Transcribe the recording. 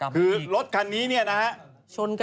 คือรถคันนี้เนี่ยนะฮะ